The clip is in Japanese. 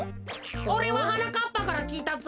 おれははなかっぱからきいたぞ。